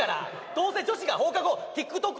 どうせ女子が放課後ＴｉｋＴｏｋ